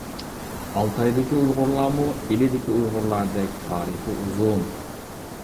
ئالتايدىكى ئۇيغۇرلارمۇ ئىلىدىكى ئۇيغۇرلاردەك تارىخى ئۇزۇن.